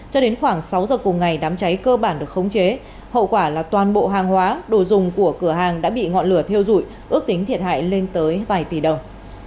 cho đến khoảng sáu giờ cùng ngày đám cháy cơ bản được khống chế hậu quả là toàn bộ hàng hóa đồ dùng của cửa hàng đã bị ngọn lửa thiêu dụi ước tính thiệt hại lên tới vài tỷ đồng